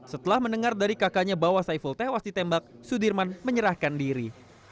setelah mendengar dari kakaknya bahwa saiful tewas ditembak sudirman menyerahkan diri